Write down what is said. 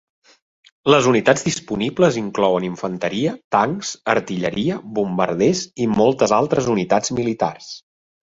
Les unitats disponibles inclouen infanteria, tancs, artilleria, bombarders i moltes altres unitats militars.